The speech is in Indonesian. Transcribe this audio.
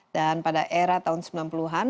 dan pada era tahun sembilan puluh an